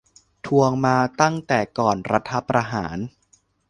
ทวงมาตั้งแต่ก่อนรัฐประหาร